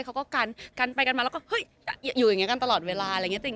เขาก็กันกันไปกันมาแล้วก็เฮ้ยอยู่อย่างนี้กันตลอดเวลาอะไรอย่างนี้